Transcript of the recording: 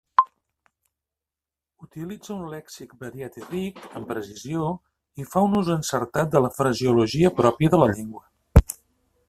Utilitza un lèxic variat i ric, amb precisió, i fa un ús encertat de la fraseologia pròpia de la llengua.